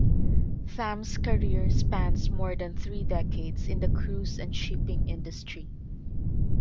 Thamm's career spans more than three decades in the cruise and shipping industry.